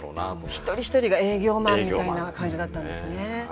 一人一人が営業マンみたいな感じだったんですね。